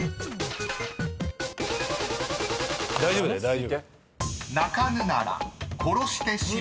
大丈夫だよ大丈夫。